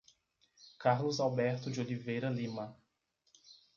Carlos Alberto de Oliveira Lima